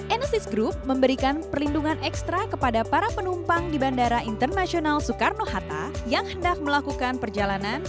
enesis group memberikan perlindungan ekstra kepada para penumpang di bandara internasional soekarno hatta yang hendak melakukan perjalanan